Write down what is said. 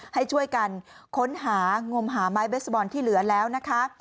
ให้ช่วยกันค้นหางมหาไม้เบสบอลที่เหลือแล้วนะคะ